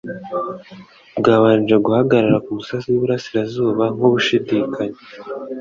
bwabanje guhagarara ku musozi w'iburasirazuba nk'ubushidikanya